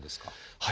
はい。